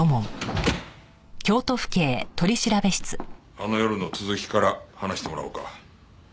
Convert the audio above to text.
あの夜の続きから話してもらおうか。